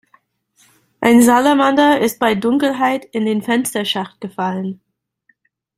Ein Salamander ist bei Dunkelheit in den Fensterschacht gefallen.